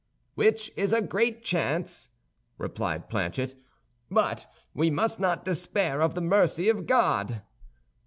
"Which is a great chance," replied Planchet, "but we must not despair of the mercy of God."